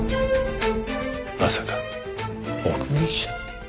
まさか目撃者。